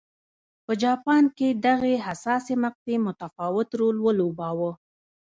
په جاپان کې دغې حساسې مقطعې متفاوت رول ولوباوه.